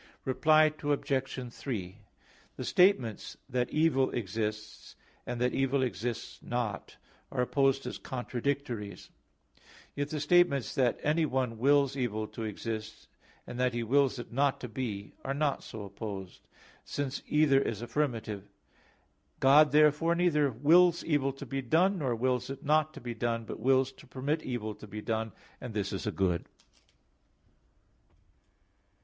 Reply Obj. 3: The statements that evil exists, and that evil exists not, are opposed as contradictories; yet the statements that anyone wills evil to exist and that he wills it not to be, are not so opposed; since either is affirmative. God therefore neither wills evil to be done, nor wills it not to be done, but wills to permit evil to be done; and this is a good.